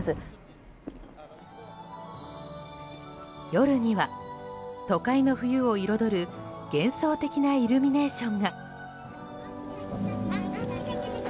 夜には都会の冬を彩る幻想的なイルミネーションが。